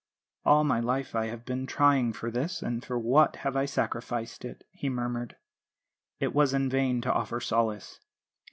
"'All my life I have been trying for this, and for what have I sacrificed it?' he murmured. It was in vain to offer solace.